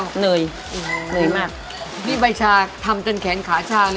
แสดงว่ายัดใบชาจนแน่นเลยนะจ้าว